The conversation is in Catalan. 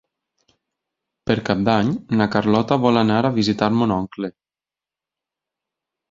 Per Cap d'Any na Carlota vol anar a visitar mon oncle.